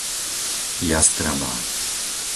Jastrabá